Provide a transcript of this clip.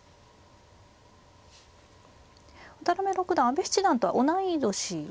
渡辺六段阿部七段とは同い年に。